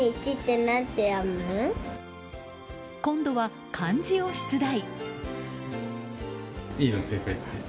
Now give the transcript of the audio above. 今度は漢字を出題。